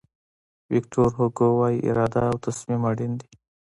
ویکتور هوګو وایي اراده او تصمیم اړین دي.